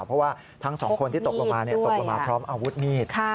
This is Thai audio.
เพราะว่าทั้งสองคนที่ตกลงมาตกลงมาพร้อมอาวุธมีด